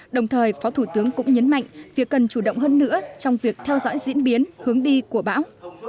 đồng thời phó thủ tướng cũng nhấn mạnh việc cần chủ động hơn nữa trong việc theo dõi diễn biến hướng đi của bão